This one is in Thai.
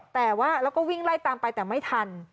แต่ว่าแล้วก็วิ่งไล่ตามไปแต่ไม่ทัน